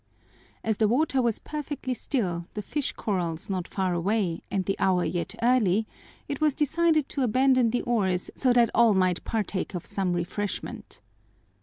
As the water was perfectly still, the fish corrals not far away, and the hour yet early, it was decided to abandon the oars so that all might partake of some refreshment.